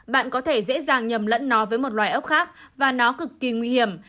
bạn có thể dễ dàng nhầm lẫn nó với một loài ốc khác và nó cực kỳ nguy hiểm